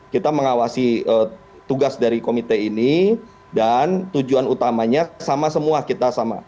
kita mengawasi tugas dari komite ini dan tujuan utamanya sama semua kita sama